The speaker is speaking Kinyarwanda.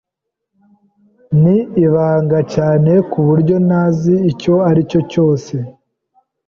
Ni ibanga cyane kuburyo ntazi icyo aricyo cyose.